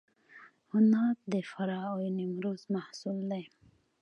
عناب د فراه او نیمروز محصول دی.